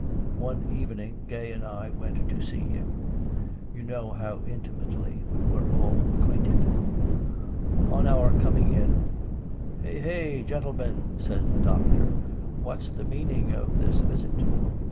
One evening Gay and I went to see him: you know how intimately we were all acquainted. On our coming in, "Hey day, gentlemen (says the Doctor), what's the meaning of this visit?